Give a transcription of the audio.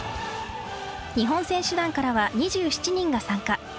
日本選手団からは２７人が参加。